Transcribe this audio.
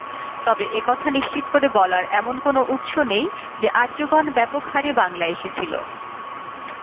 তবে একথা নিশ্চিত করে বলার এমন কোনো উৎস নেই যে, আর্যগণ ব্যাপকহারে বাংলায় এসেছিল।